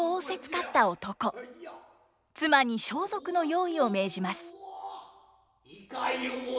妻に装束の用意を命じます。